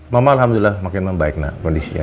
mama alhamdulillah makin membaik nak kondisinya